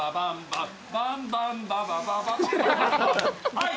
はい！